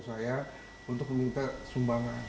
saya meminta thr untuk sumbangan